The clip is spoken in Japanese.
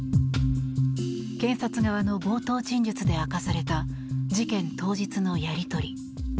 検察側の冒頭陳述で明かされた事件当日のやり取り。